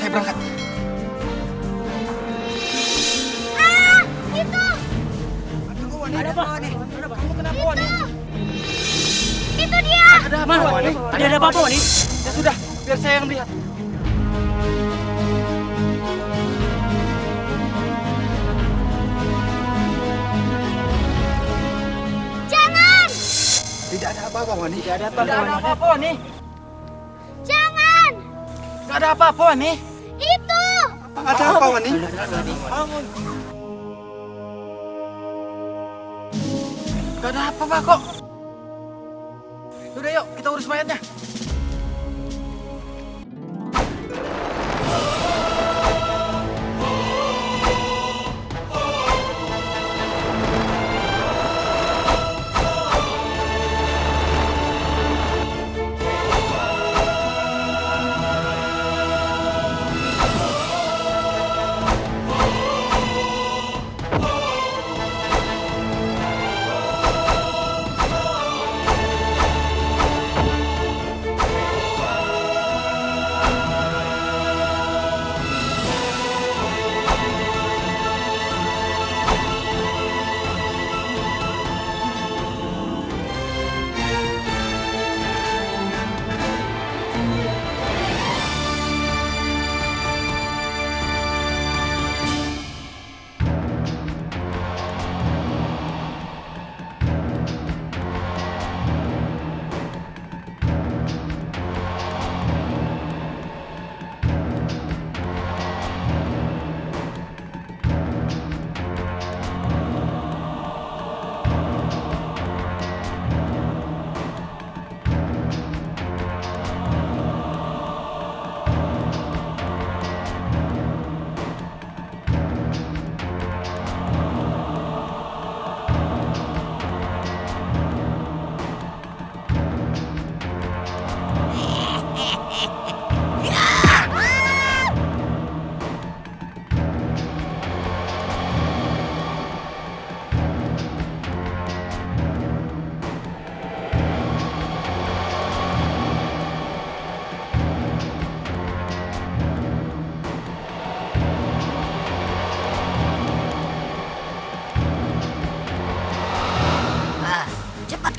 baiklah saya berangkat